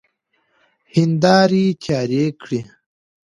هيندارې تيارې کړئ!